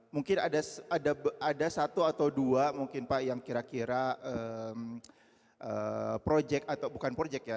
mungkin ada satu atau dua mungkin pak yang kira kira proyek atau bukan proyek ya